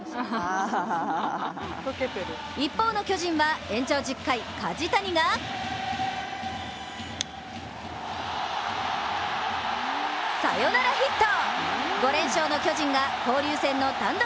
一方の巨人は延長１０回、梶谷がサヨナラヒット！